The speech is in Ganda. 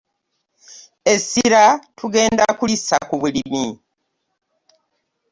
Essira tugenda kulissa ku bulimi.